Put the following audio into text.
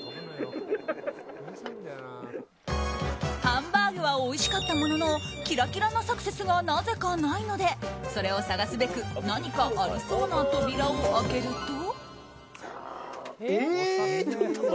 ハンバーグはおいしかったもののキラキラなサクセスがなぜかないのでそれを探すべく何かありそうな扉を開けると。